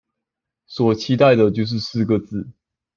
所期待的就是四個字